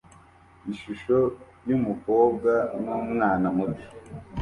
Ishusho yumukobwa numwana muto